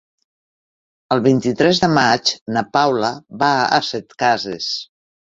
El vint-i-tres de maig na Paula va a Setcases.